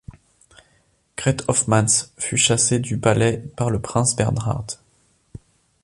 Greet Hofmans fut chassée du palais par le prince Bernhard.